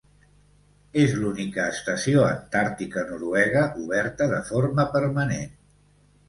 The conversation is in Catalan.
És l'única estació antàrtica noruega oberta de forma permanent.